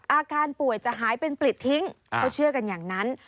อาการป่วยจะหายเป็นปลิดทิ้งเขาเชื่อกันอย่างนั้น